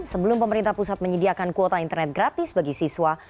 sebelum pemerintah pusat menyediakan kuota internet gratis bagi siswa